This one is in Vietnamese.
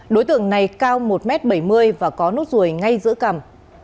đối tượng này cao một m bảy mươi và có nốt ruồi ngay giữa cầm